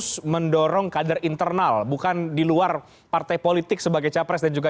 jadi kan partai politik itu sebagai apa ya